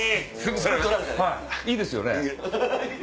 いいですよね。